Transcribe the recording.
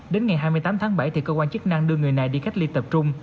đến ngày hai mươi tám tháng bảy thì cơ quan chức năng đưa người này đi cách ly tập trung